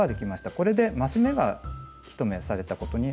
これで増し目が１目されたことになります。